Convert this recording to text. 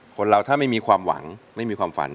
คนเราถ้าไม่มีความหวังไม่มีความฝัน